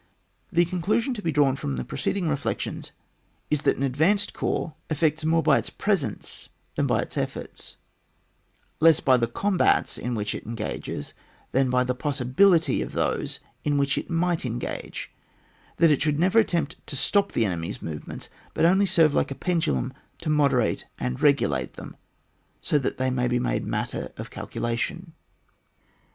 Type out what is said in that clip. The conclusion to be drawn from the preceding reflections is, that an advanced corps effects more by its presence than by its efforts, less by the combats in which it engages than by the possibility of those in which it might engage : that it should never attempt to stop the enemy's movements, but only serve like a pendulum to moderate and regulate them, so that they may be made matter of calculation.